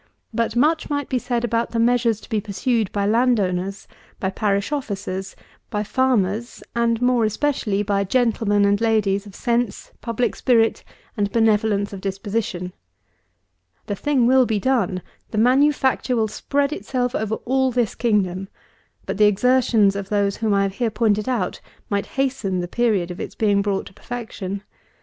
But much might be said about the measures to be pursued by land owners, by parish officers, by farmers, and more especially by gentlemen and ladies of sense, public spirit, and benevolence of disposition. The thing will be done; the manufacture will spread itself all over this kingdom; but the exertions of those whom I have here pointed out might hasten the period of its being brought to perfection.